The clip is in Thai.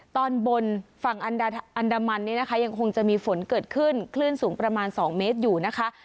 ตอนบนฝั่งอันดามันเนี่ยนะคะยังคงจะมีฝนเกิดขึ้นคลื่นสูงประมาณ๒เมตรอยู่นะคะ